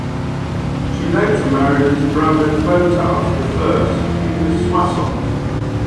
She later married his brother Clothar I, king of Soissons.